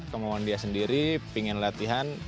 kemauan dia sendiri pingin latihan